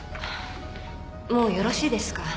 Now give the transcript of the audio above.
もうよろしいですか？